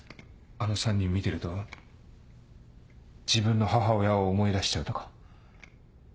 あの３人見てると自分の母親を思い出しちゃうとか。